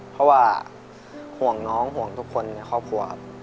เพราะว่าห่วงน้องห่วงทุกคนในครอบครัวครับ